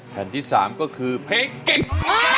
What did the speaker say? แผ่นที่๓ก็คือเพลงเก่ง